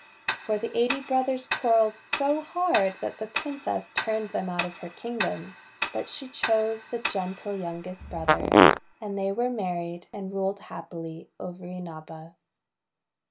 For the eighty brothers quar relled so hard that the Princess turned them out of her kingdom. But she chose the gentle youngest brother; and they were married and ruled happily over Inaba.